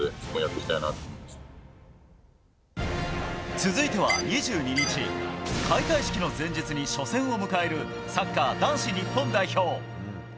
続いては２２日開会式の前日に初戦を迎えるサッカー男子日本代表。